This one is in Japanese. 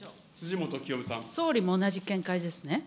総理も同じ見解ですね。